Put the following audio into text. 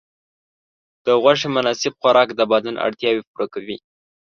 د غوښې مناسب خوراک د بدن اړتیاوې پوره کوي.